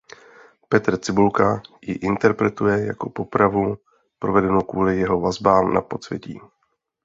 Petr Cibulka ji interpretuje jako popravu provedenou kvůli jeho vazbám na podsvětí.